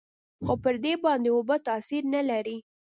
خو پر دې باندې اوبه تاثير نه لري.